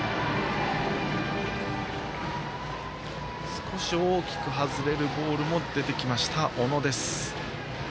少し、大きく外れるボールも出てきました、小野です。